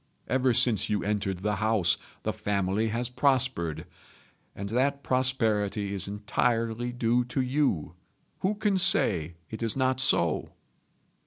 Ever since you entered the house the family has prospered; and that prosperity is entirely due to you. Who can say it is not so?"